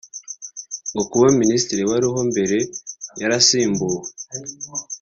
ngo kuba Minisitiri wariho mbere yarasimbuwe